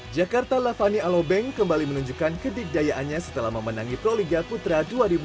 jakarta lavani alobeng kembali menunjukkan kedikdayaannya setelah memenangi proliga putra dua ribu dua puluh tiga